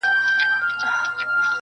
• چي سیالان یې له هیبته پر سجده سي -